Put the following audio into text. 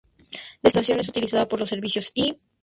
La estación es utilizada por los servicios y